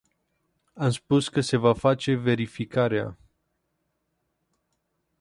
Am spus că se va face verificarea.